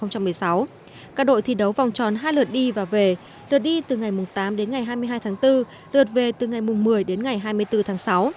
các đội thi đấu vòng tròn hai lượt đi và về lượt đi từ ngày tám đến ngày hai mươi hai tháng bốn lượt về từ ngày một mươi đến ngày hai mươi bốn tháng sáu